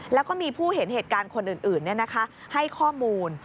แล้วก็มีผู้เห็นเหตุการณ์คนอื่นให้ข้อมูล